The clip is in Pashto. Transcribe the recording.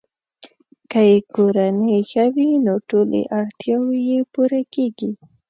که یې کورنۍ ښه وي، نو ټولې اړتیاوې یې پوره کیږي.